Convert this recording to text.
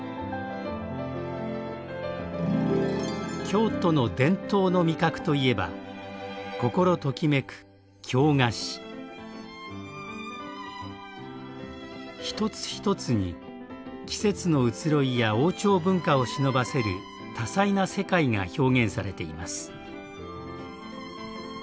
京都の伝統の味覚といえば一つ一つに季節の移ろいや王朝文化をしのばせる多彩な世界が表現されています。